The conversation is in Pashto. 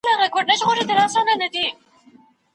د ډیپلوماسۍ په برخه کي وګړي نه ارزښت لري.